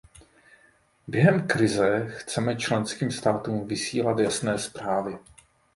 Během krize chceme členským státům vysílat jasné zprávy.